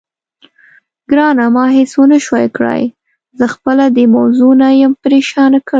ګرانه، ما هېڅ ونه شوای کړای، زه خپله دې موضوع نه یم پرېشانه کړې.